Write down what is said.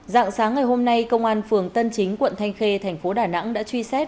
dạng sáng ngày hôm nay công an phường tân chính quận thanh khê thành phố đà nẵng đã truy xét